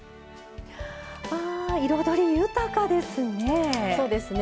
彩り豊かですね。